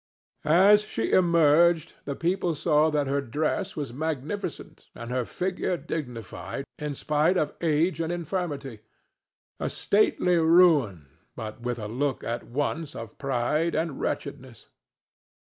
As she emerged the people saw that her dress was magnificent, and her figure dignified in spite of age and infirmity—a stately ruin, but with a look at once of pride and wretchedness.